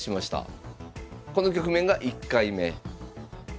この局面が１回目。